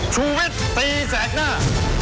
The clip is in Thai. ชุวิตตีแสดหน้า